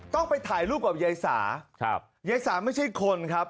ต้องไปถ่ายรูปกับยายสาครับยายสาไม่ใช่คนครับ